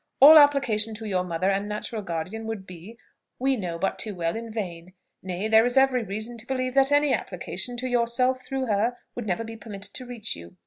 All application to your mother and natural guardian would be, we know but too well, in vain: nay, there is every reason to believe that any application to yourself through her would never be permitted to reach you.